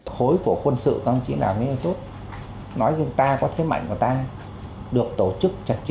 khối của quân sự không chỉ là nguyên hệ tốt nói cho ta có thế mạnh của ta được tổ chức chặt chẽ